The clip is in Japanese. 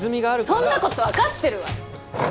そんなこと分かってるわよ！